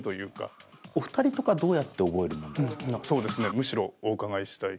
むしろお伺いしたい。